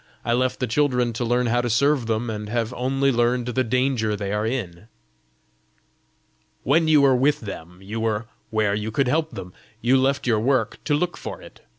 I left the children to learn how to serve them, and have only learned the danger they are in." "When you were with them, you were where you could help them: you left your work to look for it!